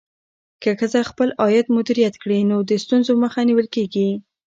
که ښځه خپل عاید مدیریت کړي، نو د ستونزو مخه نیول کېږي.